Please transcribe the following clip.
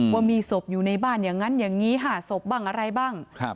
ว่ามีศพอยู่ในบ้านอย่างนั้นอย่างนี้๕ศพบ้างอะไรบ้าง